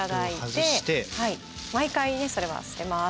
毎回それは捨てます。